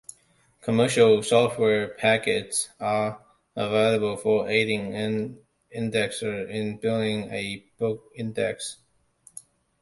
Commercial software packets are available for aiding an indexer in building a book index.